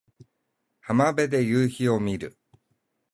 浜辺で夕陽を見る